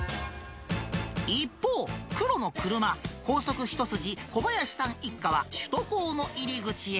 一方、黒の車、高速一筋、小林さん一家は、首都高の入り口へ。